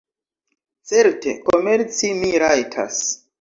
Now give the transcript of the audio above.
Certe, komerci mi rajtas.